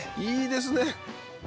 いいですね！